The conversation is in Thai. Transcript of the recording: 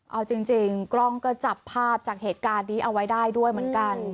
เอาจริงกล้องก็จับภาพจากเหตุการณ์นี้เอาไว้ได้ด้วยเหมือนกัน